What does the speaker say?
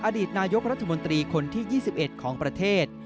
อดีตนายกรัฐมนตรีคนที่๒๑ของประเทศ